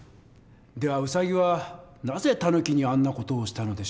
ではウサギはなぜタヌキにあんな事をしたのでしょう？